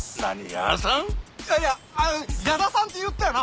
いやいや矢田さんって言ったよな？